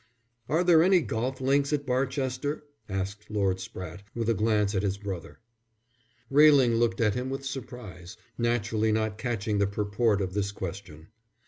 "Are there any golf links at Barchester?" asked Lord Spratte, with a glance at his brother. Railing looked at him with surprise, naturally not catching the purport of this question.